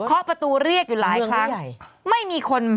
เขาประตูเรียกอยู่หลายครั้งไม่มีคน